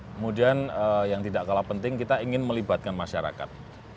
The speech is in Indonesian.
kemudian yang tidak kalah penting kita ingin melibatkan masyarakat